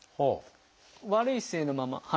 悪い姿勢のままはい。